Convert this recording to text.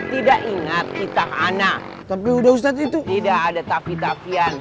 tidak ingat kita anak tapi udah ustadz itu tidak ada tapi tafian